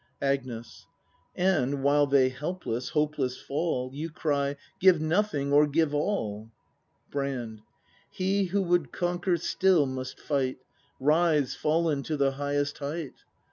Agnes. And, while they helpless, hopeless fall. You cry: Give nothing or give all! Brand. He who would conquer still must fight. Rise, fallen to the highest height.